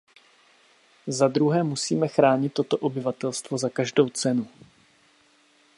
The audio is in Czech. Za druhé, musíme chránit toto obyvatelstvo za každou cenu.